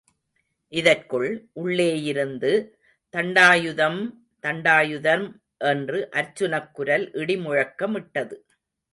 இதற்குள், உள்ளே இருந்து, தண்டாயுதம்... தண்டாயுதம் என்று அர்ச்சுனக்குரல் இடி முழக்கமிட்டது.